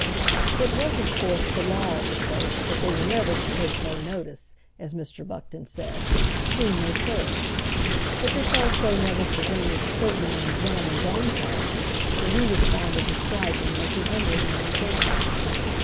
It was of course the law of the place that they were never to take no notice, as Mr. Buckton said, whom they served; but this also never prevented, certainly on the same gentleman's own part, what he was fond of describing as the underhand game.